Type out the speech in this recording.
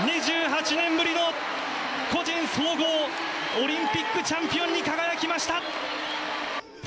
２８年ぶりの個人総合オリンピックチャンピオンに輝きました！